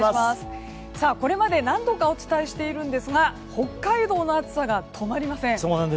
これまで何度かお伝えしているんですが北海道の暑さが止まりません。